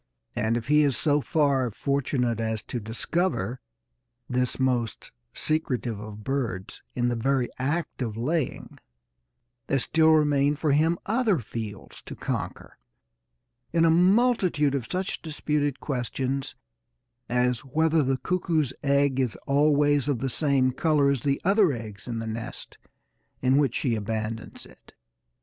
And, if he is so far fortunate as to discover this most secretive of birds in the very act of laying, there still remain for him other fields to conquer in a multitude of such disputed questions as whether the cuckoo's egg is always of the same colour as the other eggs in the nest in which she abandons it.